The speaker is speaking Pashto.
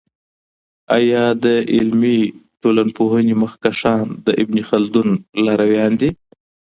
آیا د علمي ټولپوهني مخکښان د ابن خلدون لارویان دی؟